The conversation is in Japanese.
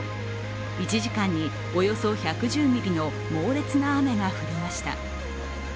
１時間におよそ１１０ミリの猛烈な雨が降りました